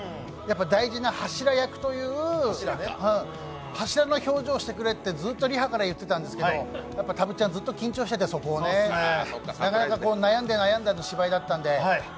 大事な柱役という柱の表情してくれってずっとリハから言ってたんだけどたぶっちゃん、ずっと緊張してて、なかなか悩んで悩んでの芝居だったんで。